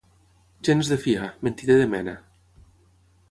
Gens de fiar, mentider de mena.